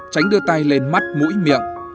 tránh đưa tay lên mắt mũi miệng